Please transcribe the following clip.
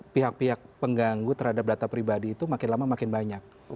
pihak pihak pengganggu terhadap data pribadi itu makin lama makin banyak